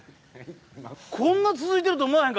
こんな続いてると思わへんかった。